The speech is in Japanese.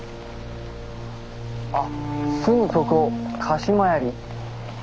あっすぐそこ鹿島槍。